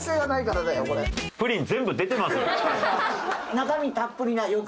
中身たっぷりな欲張り。